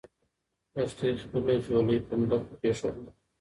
لښتې خپله ځولۍ په ځمکه کېښوده.